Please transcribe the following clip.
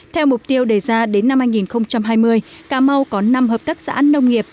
theo mục tiêu đề ra đến năm hai nghìn hai mươi cà mau có năm hợp tác xã nông nghiệp